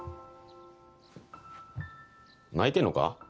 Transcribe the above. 泣いてんのか？